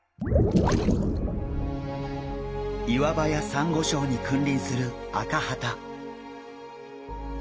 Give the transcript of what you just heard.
岩場やサンゴ礁に君臨するアカハタ。